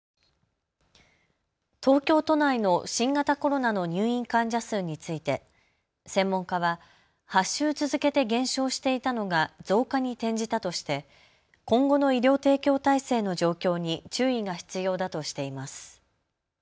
東京都内の新型コロナの入院患者数について専門家は８週続けて減少していたのが増加に転じたとして今後の医療提供体制の状況に注意が必要だとしています。